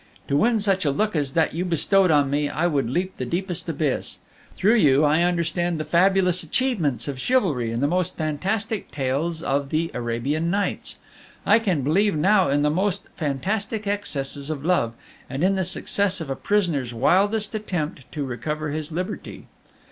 To win such a look as that you bestowed on me, I would leap the deepest abyss. Through you I understand the fabulous achievements of chivalry and the most fantastic tales of the Arabian Nights. I can believe now in the most fantastic excesses of love, and in the success of a prisoner's wildest attempt to recover his liberty.